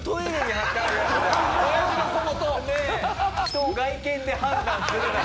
「人を外見で判断するな」